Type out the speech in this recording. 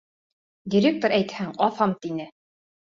Директор, әйтһәң, аҫам, тине.